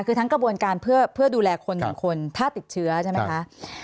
คือทั้งกระบวนการเพื่อดูแลคนหนึ่งคนถ้าติดเชื้อใช่ไหมคะ